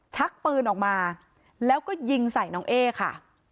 ชักปืนออกมาแล้วก็ยิงใส่น้องเอ๊ค่ะ